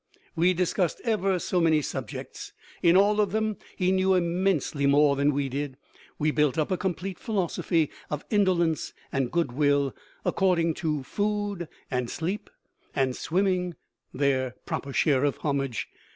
We discussed ever so many subjects; in all of them he knew immensely more than we did. We built up a complete philosophy of indolence and good will, according to Food and Sleep and Swimming their proper share of homage.